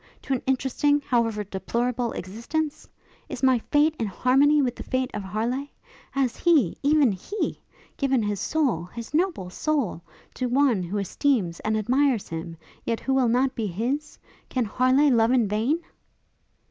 to an interesting, however deplorable, existence? is my fate in harmony with the fate of Harleigh? Has he, even he! given his soul, his noble soul! to one who esteems and admires him, yet who will not be his? Can Harleigh love in vain?'